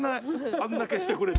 あんだけしてくれて。